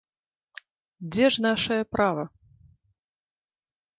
Дзе ж нашае права?